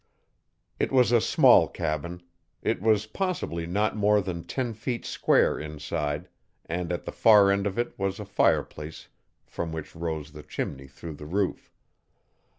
It was a small cabin. It was possibly not more than ten feet square inside, and at the far end of it was a fireplace from which rose the chimney through the roof.